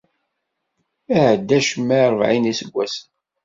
Iεedda acemma i rebεin iseggasen.